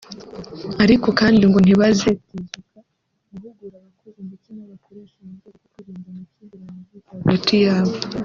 Ariko kandi ngo ntibazetezuka guhugura abakozi ndetse n’abakoresha mu rwego rwo kwirinda amakimbirane avuka hagati yabo